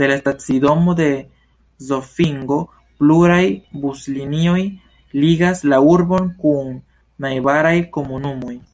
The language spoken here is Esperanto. De la stacidomo de Zofingo pluraj buslinioj ligas la urbon kun la najbaraj komunumoj.